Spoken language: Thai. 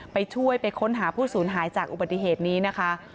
ไปช่วยไปค้นหาผู้สูญหายจากอุบัติเหตุนี้นะคะ